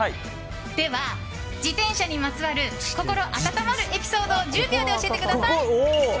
では、自転車にまつわる心温まるエピソードを１０秒で教えてください。